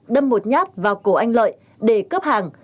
đâm một nhát vào cổ anh lợi để cướp hàng